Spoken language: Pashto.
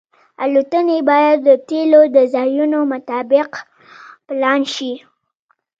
الوتنې باید د تیلو د ځایونو مطابق پلان شي